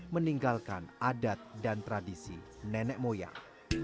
meninggalkan adat dan tradisi nenek moyang